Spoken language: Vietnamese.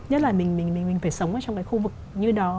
nhất là mình phải sống ở trong cái khu vực như đó